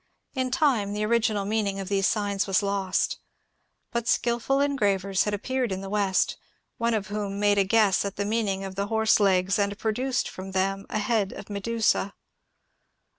In time the original meaning of these signs was lost. But skilful en gravers had appeared in the West, one of whom made a guess at the meaning of the horse legs and produced from them a head of Medusa.